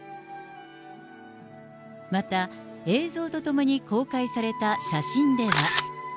また、映像とともに公開された写真では。